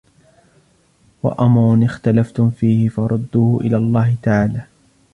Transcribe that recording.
وَأَمْرٌ اخْتَلَفْتُمْ فِيهِ فَرُدُّوهُ إلَى اللَّهِ تَعَالَى